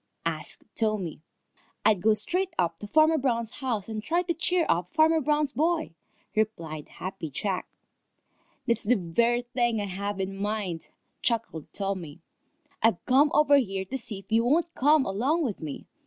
asked Tommy. "I'd go straight up to Farmer Brown's house and try to cheer up Farmer Brown's boy," replied Happy Jack. "That's the very thing I have in mind," chuckled Tommy. "I've come over here to see if you won't come along with me.